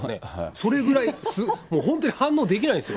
それぐらい、本当に反応できないんですよ。